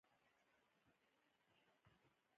دا دي ما خپل اقتباس ده، يا دا زما خپل اقتباس دى